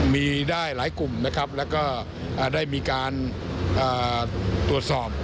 มีได้หลายกลุ่มและมีการตัวสอบ